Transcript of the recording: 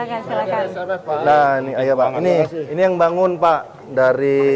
anaknya ini yang bangun mana dari kementerian dari kementerian ini ini yang bangun pak dari